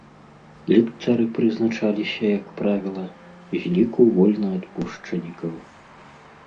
Ліктары прызначаліся, як правіла, з ліку вольнаадпушчанікаў.